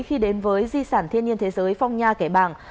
khi đến với di sản thiên nhiên thế giới phong nha kẻ bàng